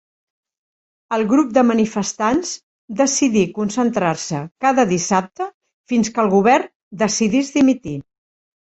El grup de manifestants decidí concentrar-se cada dissabte fins que el Govern decidís dimitir.